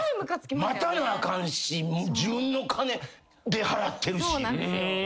待たなあかんし自分の金で払ってるし。